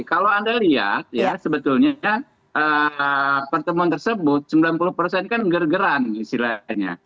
kalau anda lihat ya sebetulnya pertemuan tersebut sembilan puluh persen kan gergeran istilahnya